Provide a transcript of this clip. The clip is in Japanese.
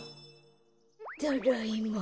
ただいま。